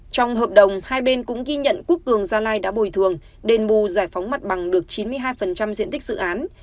trong hợp đồng hai bên cũng ghi nhận quốc cường gia lai đã bồi thường đền bù giải phóng mặt bằng được chín mươi hai diện tích dự án